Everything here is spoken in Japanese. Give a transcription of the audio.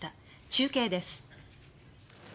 中継です。